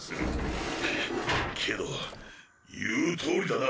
ハァけど言うとおりだな。